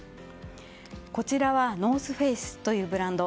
こちらはノース・フェイスというブランド。